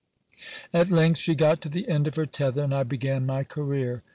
At length she got to the end of her tether, and I began my career.